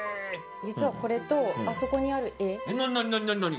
実はこれと、あそこにある絵。